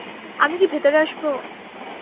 আমি কি ভেতরে আসবো?